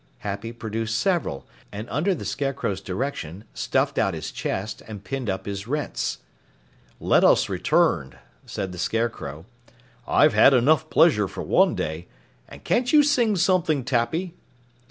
Happy produced several and under the Scarecrow's direction stuffed out his chest and pinned up his rents. "Let us return," said the Scarecrow. "I've had enough pleasure for one day, and can't you sing something, Tappy?"